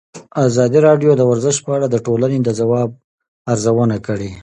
ازادي راډیو د ورزش په اړه د ټولنې د ځواب ارزونه کړې.